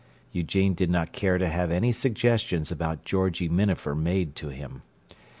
Eugene did not care to have any suggestions about Georgie Minafer made to him.